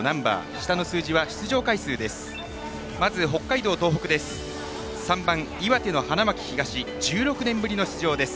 下の数字は出場回数です。